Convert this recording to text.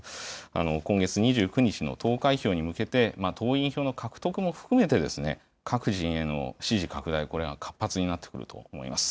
今月２９日の投開票に向けて、党員票の獲得も含めて、各陣営の支持拡大、これは活発になってくると思います。